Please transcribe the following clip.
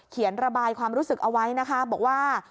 ระบายความรู้สึกเอาไว้นะคะบอกว่า